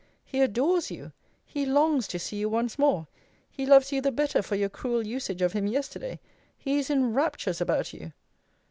He adores you. He longs to see you once more. He loves you the better for your cruel usage of him yesterday. He is in raptures about you.